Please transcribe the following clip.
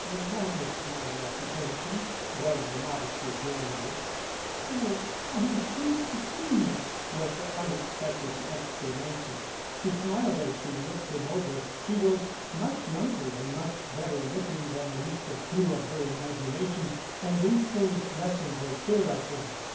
"That is my occupation," was the modest rejoinder. "Oh, I am pleased to see you," was her unexpected exclamation. She smiled as she looked him over. He was much younger and much better looking than the Mr. Crewe of her imagination, and these things lessened her fear of him.